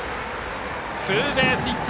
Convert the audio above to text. ツーベースヒット！